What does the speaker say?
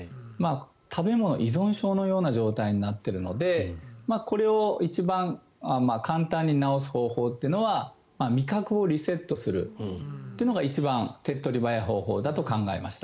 食べ物依存症のような状態になっているのでこれを一番簡単に治す方法というのは味覚をリセットするというのが一番手っ取り早い方法だと考えました。